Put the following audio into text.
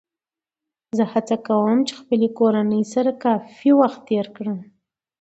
زه هڅه کوم له خپلې کورنۍ سره کافي وخت تېر کړم